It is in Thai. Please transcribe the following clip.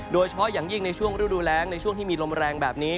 โดยเฉพาะอย่างยิ่งในช่วงฤดูแรงในช่วงที่มีลมแรงแบบนี้